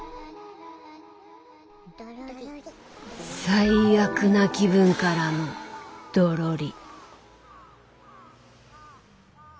最悪な気分からのドロリ。